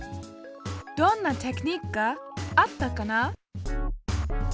どんなテクニックがあったかな？